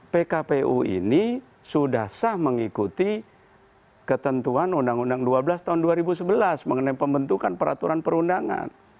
pkpu ini sudah sah mengikuti ketentuan undang undang dua belas tahun dua ribu sebelas mengenai pembentukan peraturan perundangan